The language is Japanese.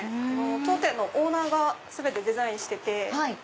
当店のオーナーが全てデザインしてて。